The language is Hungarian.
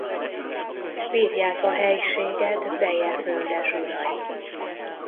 Birják a helységet Beje földesurai.